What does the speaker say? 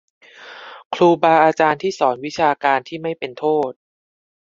ครูบาอาจารย์ที่สอนวิชาการที่ไม่เป็นโทษ